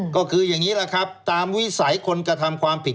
ก็คืออย่างนี้แหละครับตามวิสัยคนกระทำความผิด